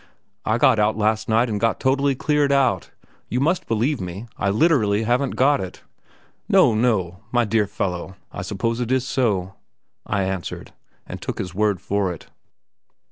"I was out last night and got totally cleared out! You must believe me, I literally haven't got it." "No, no, my dear fellow; I suppose it is so," I answered, and I took his word for it.